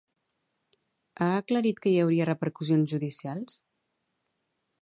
Ha aclarit que hi hauria repercussions judicials?